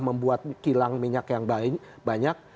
membuat kilang minyak yang banyak